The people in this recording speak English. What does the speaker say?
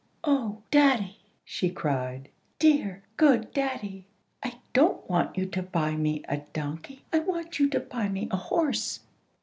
"Oh, daddy!" she cried, "dear, good daddy! I don't want you to buy me a donkey, I want you to buy me a horse."